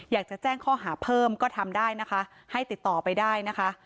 อยากจะแจ้งข้อหาเพิ่มก็ทำได้นะคะให้ติดต่อไปได้นะคะ